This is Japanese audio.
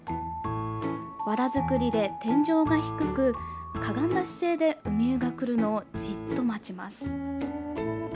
わら作りで、天井が低くかがんだ姿勢でウミウが来るのをじっと待ちます。